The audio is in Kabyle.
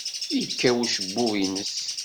Yekkaw ucebbub-nnes.